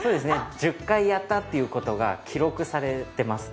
１０回やったっていう事が記録されてます。